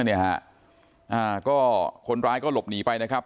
เนี่ยฮะอ่าก็คนร้ายก็หลบหนีไปนะครับ